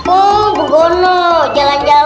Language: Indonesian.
oh begono jalan jalan